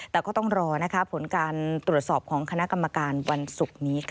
แต่ก็ต้องรอผลการตรวจสอบของคณะกรรมการวันศุกร์นี้ค่ะ